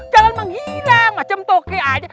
jangan menghina macam toke aja